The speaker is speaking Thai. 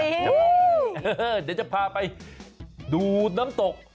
เดี๋ยวจะพาไปดูน้ำตก